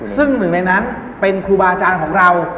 ซึ่งหนึ่งในนั้นเป็นครูบาอาจารย์ของเรา